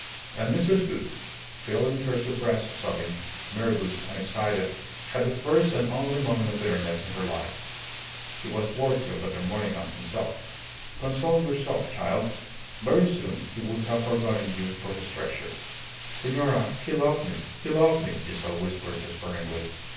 And Mrs. Gould, feeling her suppressed sobbing, nervous and excited, had the first and only moment of bitterness in her life. It was worthy of Dr. Monygham himself. "Console yourself, child. Very soon he would have forgotten you for his treasure." "Senora, he loved me. He loved me," Giselle whispered, despairingly.